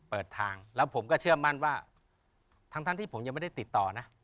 เปิดทางแล้วผมก็เชื่อมั่นว่าทั้งที่ผมยังไม่ได้ติดต่อนะ